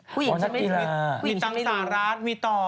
ผู้หญิงช่วยไม่รู้มีตังสารราชมีต่อ